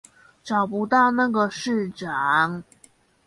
找不到那個市長